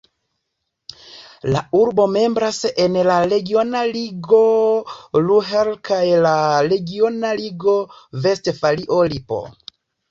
La urbo membras en la regiona ligo Ruhr kaj la regiona ligo Vestfalio-Lipo.